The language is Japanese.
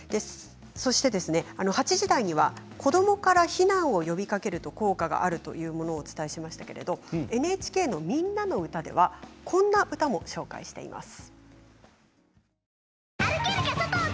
そして８時台には子どもから避難を呼びかけると効果があるというものをお伝えしましたけれども ＮＨＫ の「みんなのうた」ではこんな歌も紹介しています。